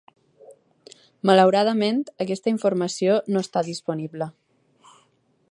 Malauradament, aquesta informació no està disponible.